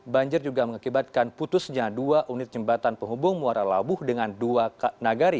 banjir juga mengakibatkan putusnya dua unit jembatan penghubung muara labuh dengan dua nagari